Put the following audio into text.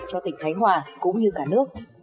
cho tỉnh khánh hòa cũng như cả nước